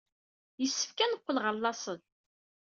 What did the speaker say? Yessefk ad neqqel ɣer laṣel.